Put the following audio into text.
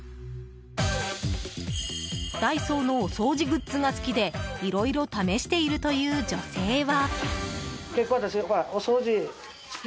ダイソーのお掃除グッズが好きでいろいろ試しているという女性は。